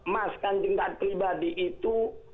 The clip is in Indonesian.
mas kanjeng tak terlibat di itu